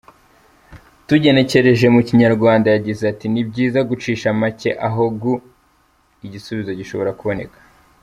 Tugenekereje mu Kinyarwanda yagize ati: “ ni byiza gucisha make aho gu……, igisubizo gishobora kuboneka.